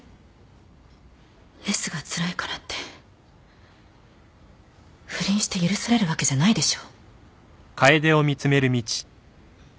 レスがつらいからって不倫して許されるわけじゃないでしょ。